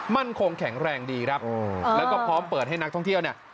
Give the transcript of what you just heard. มั่นคงแข็งแรงดีครับแล้วก็พร้อมเปิดให้นักท่องเที่ยวเนี่ย